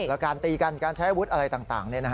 แล้วการตีกันการใช้อาวุธอะไรต่าง